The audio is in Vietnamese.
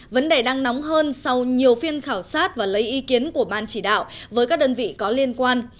vấn đề đang nóng hơn sau nhiều phiên khảo sát và lấy ý kiến của ban chỉ đạo với các đơn vị có liên quan